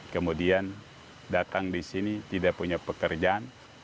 kemudian datang di sini tidak punya pekerjaan